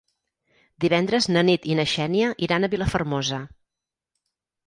Divendres na Nit i na Xènia iran a Vilafermosa.